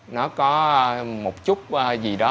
nó có một chút gì đó